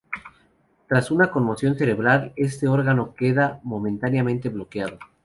Tras una conmoción cerebral, este órgano queda momentáneamente bloqueado.